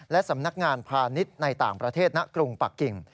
และสำนักงานพาณิชย์ในต่างประเทศณกรุงปะกิ่ง